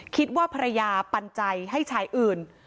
คิดว่าภรรยาปันใจให้ชายอื่น